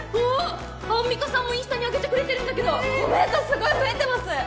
わっアンミカさんもインスタにあげてくれてるんだけどコメントすごい増えてます